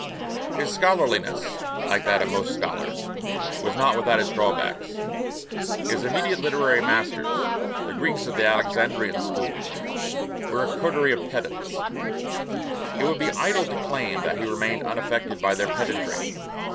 His scholarliness like that of most scholars was not without its drawbacks. His immediate literary masters, the Greeks of the Alexandrian school, were a coterie of pedants; it would be idle to claim that he remained unaffected by their pedantry.